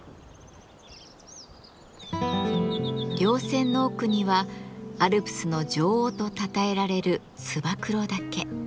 稜線の奥にはアルプスの女王とたたえられる燕岳。